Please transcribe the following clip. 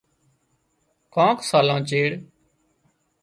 ڪانڪ سالان چيڙ